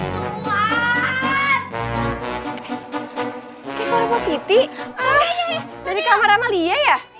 kayaknya suara positi dari kamar amalia ya